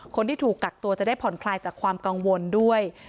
คนที่ถูกกักตัวจะได้ผ่อนคลายจากความกังวลด้วย